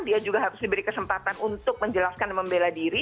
dia juga harus diberi kesempatan untuk menjelaskan dan membela diri